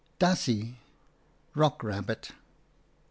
Dassie, rock rabbit.